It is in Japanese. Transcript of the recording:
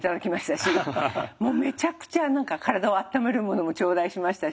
めちゃくちゃ体をあっためるものも頂戴しましたし